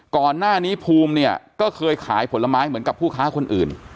ก่อนหน้านี้ภูมิเนี่ยก็เคยขายผลไม้เหมือนกับผู้ค้าคนอื่น